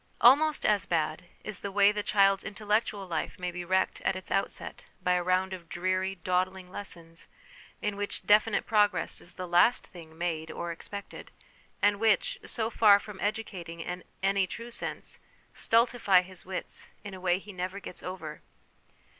Almost as bad is the way the child's intellectual life may be wrecked at its outset by a round of dreary, dawdling lessons in which definite progress is the last thing made or expected, and which, so far from educating in any true sense, stultify his wits in a way he never gets over.